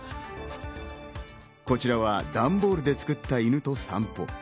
こちらは段ボールで作った犬と散歩。